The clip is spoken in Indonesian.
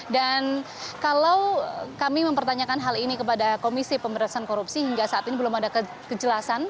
dan kalau kami mempertanyakan hal ini kepada komisi pemberian korupsi hingga saat ini belum ada kejelasan